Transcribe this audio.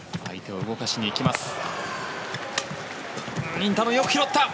インタノン、よく拾った！